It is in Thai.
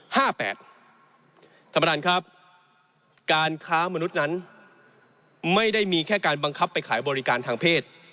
ท่านประธานครับการค้ามนุษย์นั้นไม่ได้มีแค่การบังคับไปขายบริการทางเพศ